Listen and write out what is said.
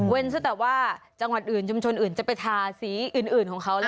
เว้นสุดแต่ว่าจังหวัดอื่นชมชนอื่นจะไปทาสีอื่นของเขา